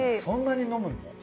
そんなに飲むんの？